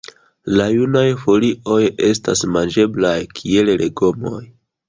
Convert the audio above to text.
La junaj folioj estas manĝeblaj kiel legomoj.